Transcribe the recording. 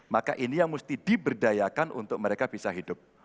maka ini yang mesti diberdayakan untuk mereka bisa hidup